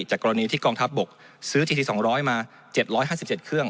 จากกรณีที่กองทัพบกซื้อทีสี่สองร้อยมาเจ็ดร้อยห้าสิบเจ็ดเครื่อง